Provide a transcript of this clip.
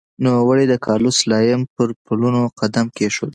نوموړي د کارلوس سلایم پر پلونو قدم کېښود.